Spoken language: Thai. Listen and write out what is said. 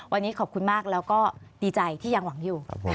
วันนี้ขอบคุณมากแล้วก็ดีใจที่ยังหวังอยู่